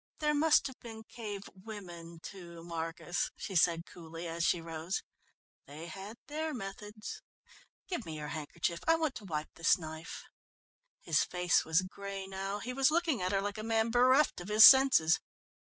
"There must have been cave women, too, Marcus," she said coolly, as she rose. "They had their methods give me your handkerchief, I want to wipe this knife." His face was grey now. He was looking at her like a man bereft of his senses.